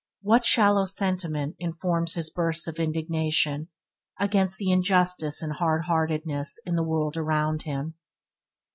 What shallow sentiment informs his bursts of indignation against the injustice and hard heartedness in the world around him.